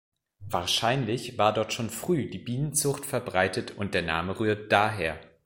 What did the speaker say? Wahrscheinlich war dort schon früh die Bienenzucht verbreitet und der Name rührt daher.